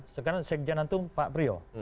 sekarang sekjen antum pak priyo